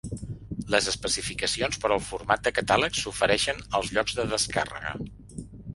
Les especificacions per al format de catàleg s'ofereixen als llocs de descàrrega.